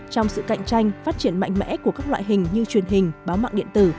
trong sự cạnh tranh phát triển mạnh mẽ của các loại hình như truyền hình báo mạng điện tử